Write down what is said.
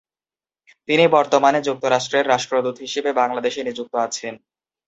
তিনি বর্তমানে যুক্তরাষ্ট্রের রাষ্ট্রদূত হিসেবে বাংলাদেশে নিযুক্ত আছেন।